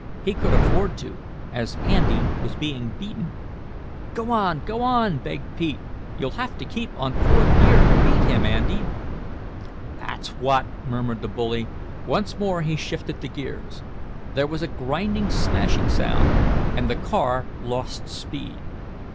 He could afford to, as Andy was being beaten. "Go on! Go on!" begged Pete. "You'll have to keep on fourth gear to beat him, Andy." "That's what!" murmured the bully. Once more he shifted the gears. There was a grinding, smashing sound, and the car lost speed.